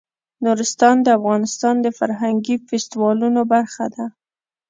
نورستان د افغانستان د فرهنګي فستیوالونو برخه ده.